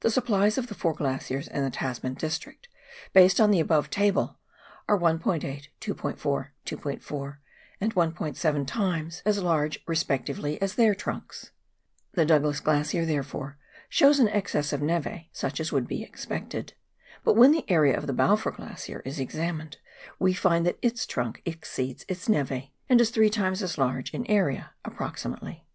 The supplies of the four glaciers in the Tasman district, based on the above table, are 1 8, 2 4, 2*4, and 1*7 times as large respectively as their trunks. The Douglas Glacier, therefore, shows an excess of neve such as would be expected. But when the area of the Balfour Glacier is examined, we find that its trunk exceeds its nev^, and is three times as large in area (approximately).